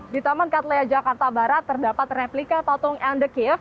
di taman katlea jakarta barat terdapat replika patung anne de kieff